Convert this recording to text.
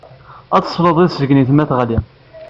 Ad tesleḍ i tessegnit ma teɣli.